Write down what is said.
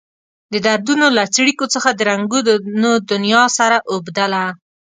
د دردونو له څړیکو څخه د رنګونو دنيا سره اوبدله.